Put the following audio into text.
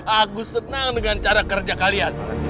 aku senang dengan cara kerja kalian